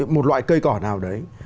một loại cây cỏ nào đấy